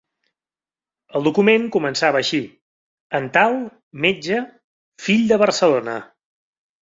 El document començava així: En tal, metge, fill de Barcelona.